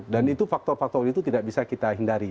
dan itu faktor faktor itu tidak bisa kita hindari